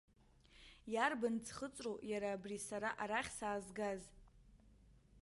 Иарбан ӡхыҵроу иара абри сара арахь саазгаз?